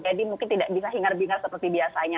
jadi mungkin tidak bisa hingar bingar seperti biasanya